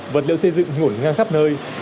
vật liệu xây dựng ngủn ngang khắp nơi